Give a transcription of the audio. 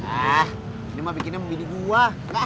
ah ini mah bikinnya membini gua